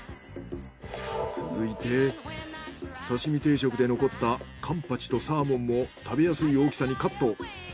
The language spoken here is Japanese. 続いて刺身定食で残ったカンパチとサーモンも食べやすい大きさにカット。